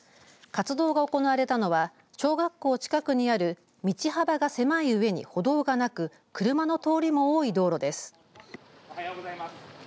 活動が行われたのは小学校近くにある道幅が狭いうえに、歩道がなく車の通りも多い道路です。